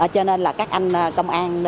cho nên các anh công an